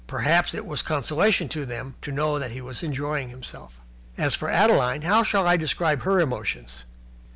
Perhaps it was a consolation to them to know that he was enjoying himself. As for Adeline, how shall I describe her emotions?